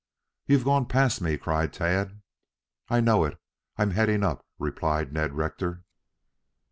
"You've gone past me," cried Tad. "I know it. I'm heading up," replied Ned Rector.